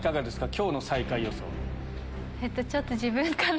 今日の最下位予想。